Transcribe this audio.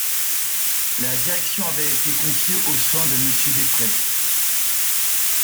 La direction avait été confiée aux soins de Monsieur Després.